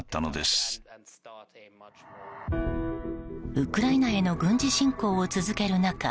ウクライナへの軍事侵攻を続ける中